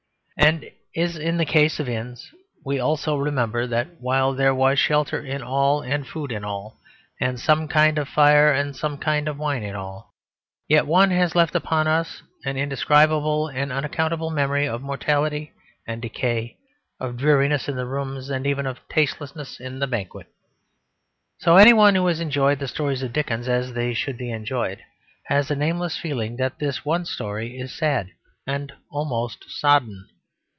And as in the case of inns we also remember that while there was shelter in all and food in all and some kind of fire and some kind of wine in all, yet one has left upon us an indescribable and unaccountable memory of mortality and decay, of dreariness in the rooms and even of tastelessness in the banquet. So any one who has enjoyed the stories of Dickens as they should be enjoyed has a nameless feeling that this one story is sad and almost sodden.